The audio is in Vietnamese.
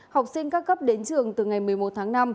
học sinh các cấp đến trường từ ngày một mươi một tháng năm